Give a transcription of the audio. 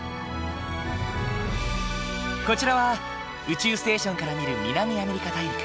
こちらは宇宙ステーションから見る南アメリカ大陸。